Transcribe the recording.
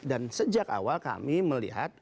sejak awal kami melihat